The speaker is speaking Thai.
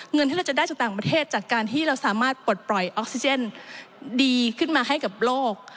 เงินที่เราจะได้จากต่างประเทศจากการที่เราสามารถปลดปล่อยออกซิเจนดีขึ้นมาให้กับโลก